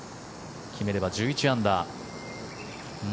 決めれば１１アンダー。